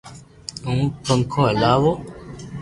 ھون پنکو ھلاو